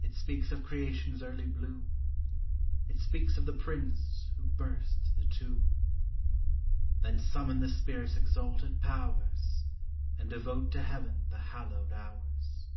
It speaks of creation's early bloom; It speaks of the Prince who burst the tomb. Then summon the spirit's exalted powers, And devote to Heaven the hallowed hours.